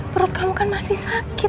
perut kamu kan masih sakit